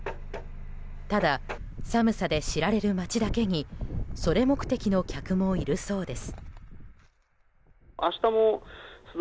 ただ、寒さで知られる町だけにそれ目的の客もいるそうです。